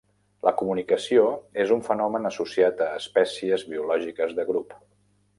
La comunicació és un fenomen associat a espècies biològiques de grup.